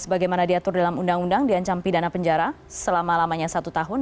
sebagaimana diatur dalam undang undang diancam pidana penjara selama lamanya satu tahun